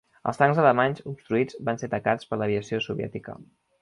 Els tancs alemanys obstruïts van ser atacats per l'aviació soviètica.